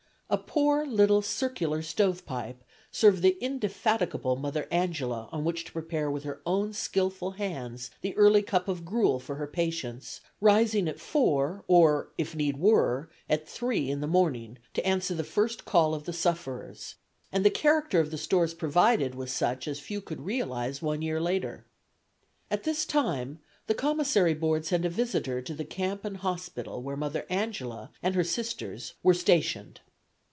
A poor, little circular stovepipe served the indefatigable Mother Angela on which to prepare with her own skillful hands the early cup of gruel for her patients, rising as four, or, if need were, at three in the morning to answer the first call of the sufferers; and the character of the stores provided was such as few could realize one year later. At this time the Commissary Board sent a visitor to the camp and hospital where Mother Angela and her Sisters were stationed.